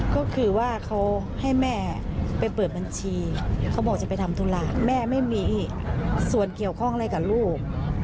ก็คือว่าเขาให้แม่ไปเปิดบัญชีเขาบอกจะไปทำธุระแม่ไม่มีส่วนเกี่ยวข้องอะไรกับลูก